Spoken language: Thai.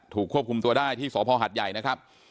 ควบคุมตัวได้ที่สพหัดใหญ่นะครับ